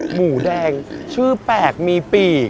หมูแดงชื่อแปลกมีปี่